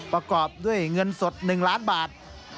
ประกอบด้วยเงินสด๑ล้านบาท